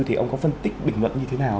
thì ông có phân tích bình luận như thế nào